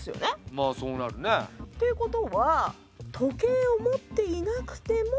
まあそうなるね。ということは時計を持っていなくても。